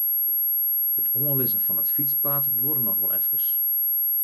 It oanlizzen fan it fytspaad duorre noch wol efkes.